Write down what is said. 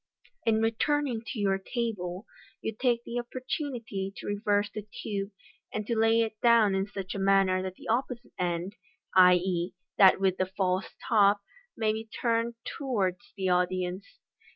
In returning to your table you take the opportunity to reverse the tube, and to lay it down in such a manner that the opposite end (i.e., that with the false top) may be turned towards the audience.